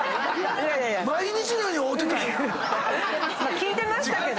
聞いてましたけど。